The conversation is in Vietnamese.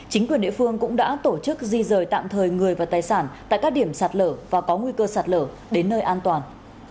chính quyền địa phương cũng đã tổ chức di rời tạm thời người và tài sản tại các điểm sạt lở và có nguy cơ sạt lở đến nơi an toàn